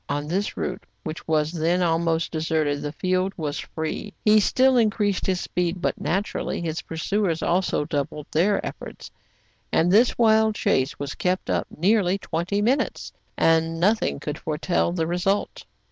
On this route, which was then almost deserted, the field was free. He still increased his speed ; but, naturally, his pursuers also doubled their efforts, and this wild chase was kept up nearly twenty minutes, and nothing could foretell the result.